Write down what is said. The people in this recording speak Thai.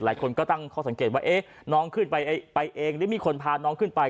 หลายคนก็ตั้งข้อสังเกตว่าน้องขึ้นไปเองหรือมีคนพาน้องขึ้นไป